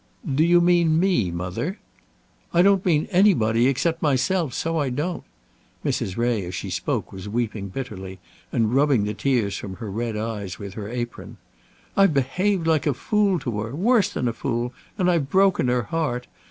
"Do you mean me, mother?" "I don't mean anybody except myself; so I don't." Mrs. Ray as she spoke was weeping bitterly, and rubbing the tears from her red eyes with her apron. "I've behaved like a fool to her, worse than a fool, and I've broken her heart.